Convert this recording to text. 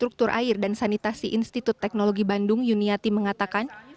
struktur air dan sanitasi institut teknologi bandung yuniati mengatakan